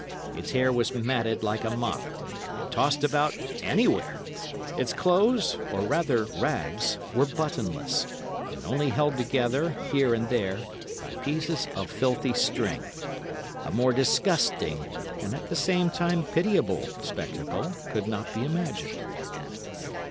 Its hair was matted like a mop and tossed about anywhere; its clothes, or rather rags, were buttonless, and only held together, here and there, by pieces of filthy string. A more disgusting, and at the same time pitiable, spectacle could not be imagined.